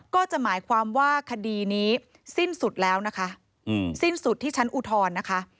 ก็จะหมายความว่าคดีนี้สิ้นสุดแล้วนะคะสิ้นสุดที่ชั้นอุทธรณ์นะคะ